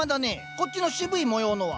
こっちの渋い模様のは？